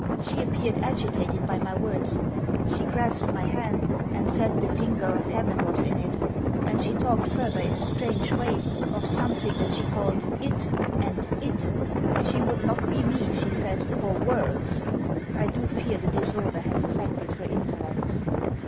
She appeared agitated by my words; she grasped my hand, and said the finger of heaven was in it; and she talked further in a strange way, of something that she called it, and it. She would not be me, she said, for worlds. I do fear the disorder has affected her intellects.